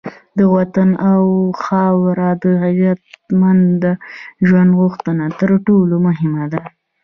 د وطن او خاوره د عزتمند ژوند غوښتنه تر ټولو مهمه ده.